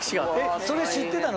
それ知ってたの？